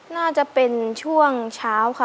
น่าจะเป็นช่วงเช้าค่ะ